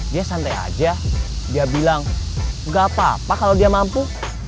dia santai aja dia bilang gak apa apa kalau dia mampu